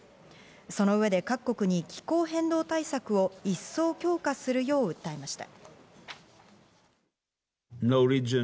その上で各国に気候変動対策を一層強化するよう訴えました。